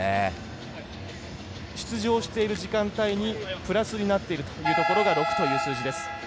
出場している時間帯にプラスになっているというところが６という数字です。